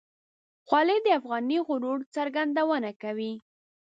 خولۍ د افغاني غرور څرګندونه کوي.